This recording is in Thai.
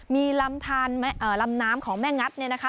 มีลำน้ำของแม่งัดเนี่ยนะคะ